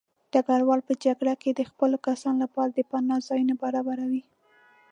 ډګروال په جګړه کې د خپلو کسانو لپاره د پناه ځایونه برابروي.